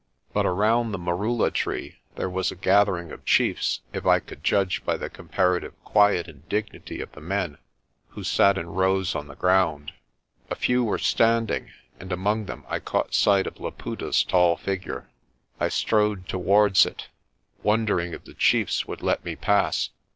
But around the merula 190 PRESTER JOHN tree there was a gathering of chiefs, if I could judge by the comparative quiet and dignity of the men, who sat in rows on the ground. A few were standing, and among them I caught sight of Laputa's tall figure. I strode towards it, wondering if the chiefs would let me pass.